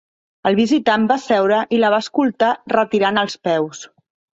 El visitant va seure i la va escoltar retirant els peus.